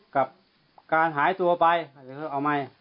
กับการหายตัวไป